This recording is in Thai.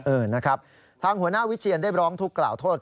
เออนะครับทางหัวหน้าวิเชียนได้ร้องทุกข์กล่าวโทษ